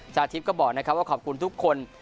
ทิพย์ก็บอกนะครับว่าขอบคุณทุกคน